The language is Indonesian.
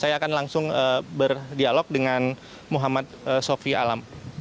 saya akan langsung berdialog dengan muhammad sofi alam